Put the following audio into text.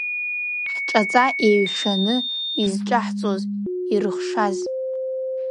Ҳҿаҵа еиҩшаны изҿаҳҵоз ирыхшаз…